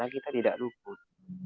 kita tidak luput